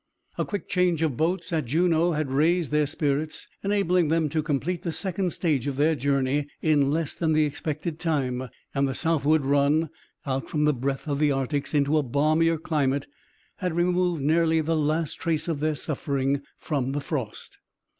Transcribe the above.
A quick change of boats at Juneau had raised their spirits, enabling them to complete the second stage of their journey in less than the expected time, and the southward run, out from the breath of the Arctics into a balmier climate, had removed nearly the last trace of their suffering from the frost.